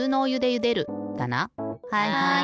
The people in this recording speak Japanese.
はい！